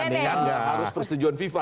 pertandingan ya harus persetujuan fifa